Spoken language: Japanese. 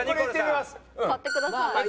買ってください。